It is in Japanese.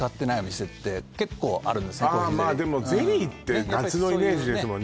でもゼリーって夏のイメージですもんね